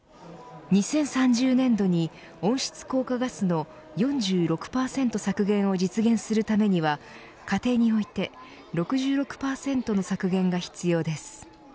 ２０３０年度に温室効果ガスの４６％削減を実現するためには、家庭において６６％の削減が必要です。